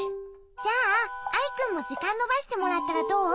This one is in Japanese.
じゃあアイくんもじかんのばしてもらったらどう？